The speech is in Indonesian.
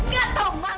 gak tahu malu